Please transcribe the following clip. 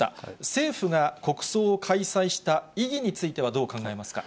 政府が国葬を開催した意義については、どう考えますか。